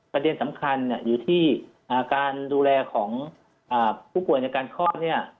ประเด็นสำคัญอยู่ที่การดูแลของผู้ป่วยในการคลอดเนี่ย